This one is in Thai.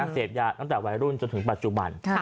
เสพยาตั้งแต่วัยรุ่นจนถึงปัจจุบัน